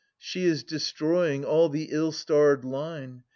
She is destroying all the ill starred line.